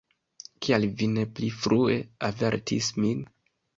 Kial vi ne pli frue avertis min?